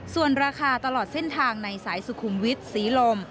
ส่วนราคาตลอดเส้นทางในสายสุขุมวิทย์ศรีลม